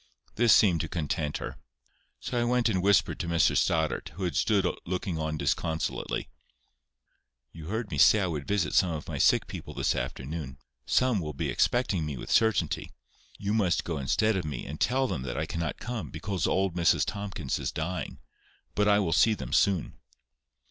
This seemed to content her. So I went and whispered to Mr Stoddart, who had stood looking on disconsolately:— "You heard me say I would visit some of my sick people this afternoon. Some will be expecting me with certainty. You must go instead of me, and tell them that I cannot come, because old Mrs Tomkins is dying; but I will see them soon."